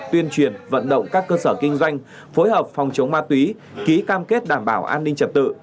tuyên truyền vận động các cơ sở kinh doanh phối hợp phòng chống ma túy ký cam kết đảm bảo an ninh trật tự